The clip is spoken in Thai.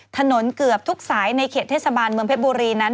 เกือบทุกสายในเขตเทศบาลเมืองเพชรบุรีนั้น